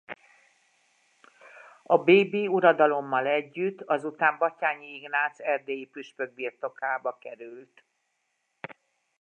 A bébi uradalommal együtt azután Batthyány Ignác erdélyi püspök birtokába került.